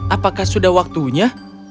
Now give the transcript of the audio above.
apakah sudah waktunya